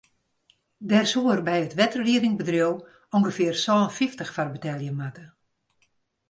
Dêr soed er by it wetterliedingbedriuw ûngefear sân fyftich foar betelje moatte.